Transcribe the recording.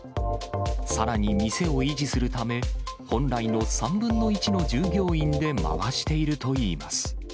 さらに店を維持するため、本来の３分の１の従業員で回しているといいます。